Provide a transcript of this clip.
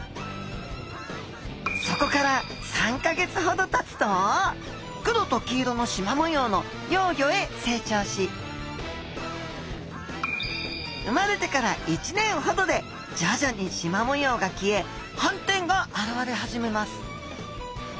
そこから３か月ほどたつと黒と黄色のしま模様の幼魚へ成長し生まれてから１年ほどで徐々にしま模様が消え斑点が現れ始めます。